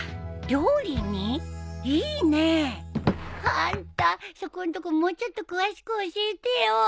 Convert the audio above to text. いいねえ！あんたそこんとこもうちょっと詳しく教えてよ。